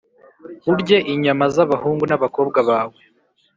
urye inyama z’abahungu n’abakobwa bawe